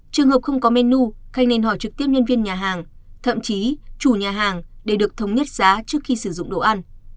trường hợp không có men nu khanh nên hỏi trực tiếp nhân viên nhà hàng thậm chí chủ nhà hàng để được thống nhất giá trước khi sử dụng đồ ăn